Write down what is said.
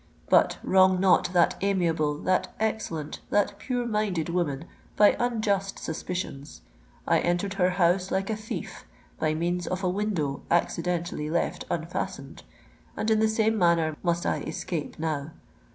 But wrong not that amiable, that excellent, that pure minded woman, by unjust suspicions! I entered her house like a thief—by means of a window accidentally left unfastened; and in the same manner must I escape now.